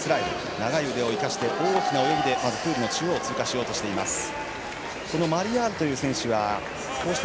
長い腕を生かして、大きな泳ぎでプールの中央、通過しました。